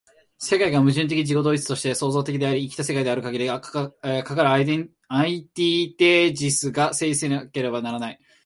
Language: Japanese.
世界が矛盾的自己同一として創造的であり、生きた世界であるかぎり、かかるアンティテージスが成立せなければならない。